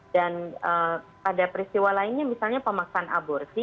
dan pada peristiwa lainnya misalnya pemaksaan aborsi